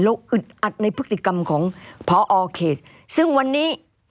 แล้วอึดอัดในพฤติกรรมของพอเขตซึ่งวันนี้